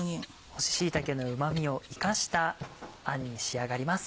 干し椎茸のうま味を生かしたあんに仕上がります。